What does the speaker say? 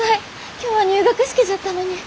今日は入学式じゃったのに。